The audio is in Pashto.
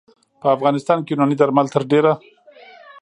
په افغانستان کې یوناني درمل تر ډېره